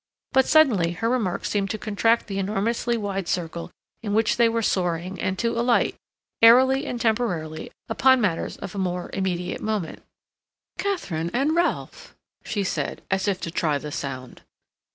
But suddenly her remarks seemed to contract the enormously wide circle in which they were soaring and to alight, airily and temporarily, upon matters of more immediate moment. "Katharine and Ralph," she said, as if to try the sound.